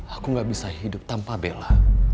aku gak bisa hidup tanpa bela